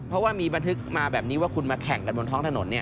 เพราะว่ามีบันทึกมาแบบนี้ว่าคุณมาแข่งกันบนท้องถนน